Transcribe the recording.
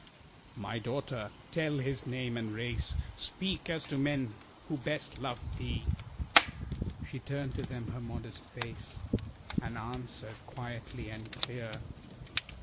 "My daughter, tell his name and race, Speak as to men who best love thee." She turned to them her modest face, And answered quietly and clear.